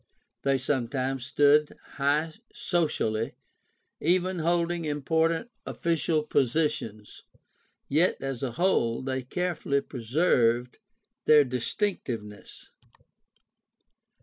They sometimes stood high socially, even holding important official positions; yet as a whole they carefully preserved their distinctiveness.